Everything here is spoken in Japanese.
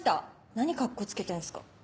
何カッコつけてんすか？